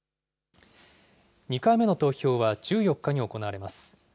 ２回目の投票は１４日に行われます。